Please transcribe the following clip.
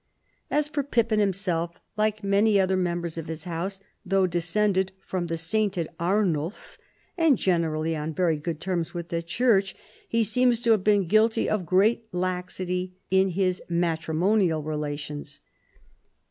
As for Pippin himself, like many other members of his house, though descended from the sainted Arnulf, and generally on very good terms with the Church, he seems to have been guilty of great laxity in his matrimonial relations.